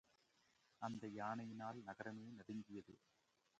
அந்த யானையினால் நகரமே நடுங்கியது.